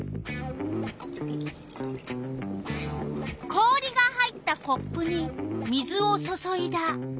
氷が入ったコップに水を注いだ。